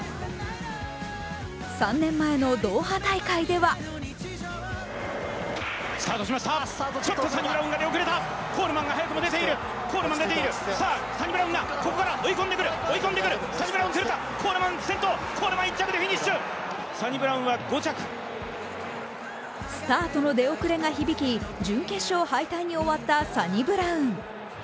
３年前のドーハ大会ではスタートの出遅れが響き準決勝敗退に終わったサニブラウン。